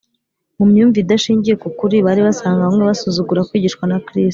mu myumvire idashingiye ku kuri bari basanganywe, basuzuguraga kwigishwa na kristo